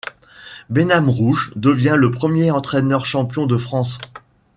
Benamrouche devient le premier entraîneur champion de France.